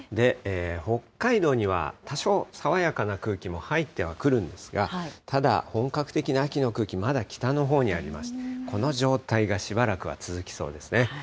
北海道には多少、爽やかな空気が入ってはくるんですが、ただ、本格的な秋の空気、まだ北のほうにありまして、この状態がしばらくは続きそうですね。